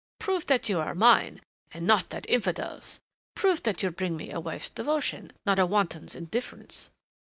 Prove that you are mine and not that infidel's. Prove that you bring me a wife's devotion not a wanton's indifference."